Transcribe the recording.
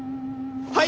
はい！